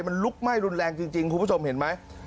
มันลุกไหม้รุนแรงจริงคุณผู้ชมเห็นไหม